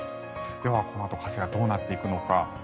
ではこのあと風はどうなっていくのか。